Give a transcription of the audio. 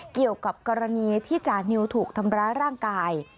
เกี่ยวกับกรณีที่จานิวถูกทำร้ายร่างกาย